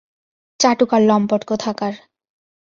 চাটুকার লম্পট কোথাকার।